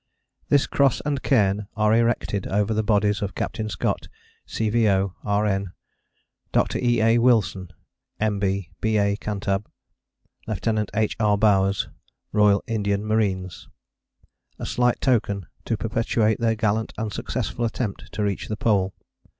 This Cross and Cairn are erected over the bodies of Capt. Scott, C.V.O., R.N.; Dr. E. A. Wilson, M.B., B.A. Cantab.; Lt. H. R. Bowers, Royal Indian Marines. A slight token to perpetuate their gallant and successful attempt to reach the Pole.